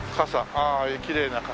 ああきれいな傘。